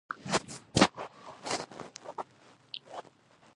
خو موږ پوهېږو د توکو ارزښت کله زیاتېږي